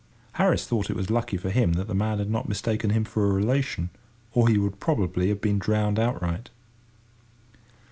Harris thought it was lucky for him the man had not mistaken him for a relation, or he would probably have been drowned outright.